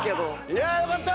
いやよかった！